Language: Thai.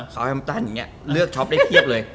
ขาวแฮมตันอย่างเงี้ยเลือกช็อปได้เทียบเลย